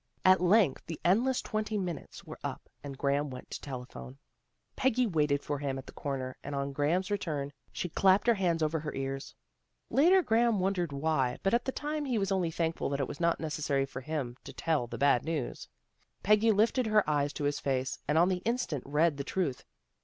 At length the endless twenty minutes were up, and Graham went to telephone. Peggy waited for him at the corner, and on Graham's DOROTHY GOES SHOPPING 197 return she clapped her hands over her ears. Later Graham wondered why, but at the time he was only thankful that it was not necessary for him to tell the bad news. Peggy lifted her eyes to his face, and on the instant read the truth.